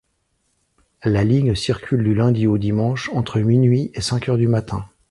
La ligne circule du lundi au dimanche, entre minuit et cinq heures du matin.